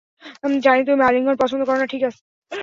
জানি তুমি আলিঙ্গন পছন্দ করো না, ঠিক আছে।